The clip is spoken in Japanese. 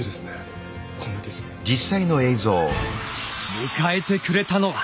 迎えてくれたのは。